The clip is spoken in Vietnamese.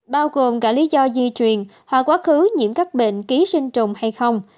bao gồm cả lý do di truyền hoặc quá khứ nhiễm các bệnh ký sinh trùng hay không